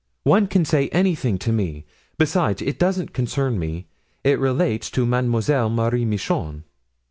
One can say anything to me. Besides, it doesn't concern me; it relates to Mademoiselle Marie Michon."